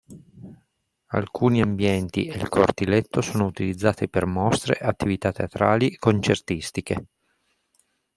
Alcuni ambienti e il cortiletto sono utilizzati per mostre, attività teatrali e concertistiche.